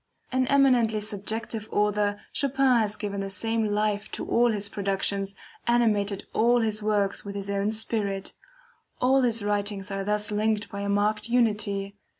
An eminently subjective author, Chopin has given the same life to all his productions, animated all his works with his own spirit. All his writings are thus linked by a marked unity.